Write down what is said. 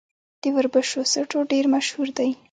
د وربشو سټو ډیر مشهور دی.